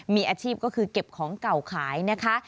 มีอาชีพก็คือเก็บของเก่าขายนะคะ